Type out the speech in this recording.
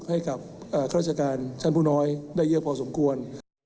ข้าราชการชั้นผู้น้อยได้เยอะพอสมควร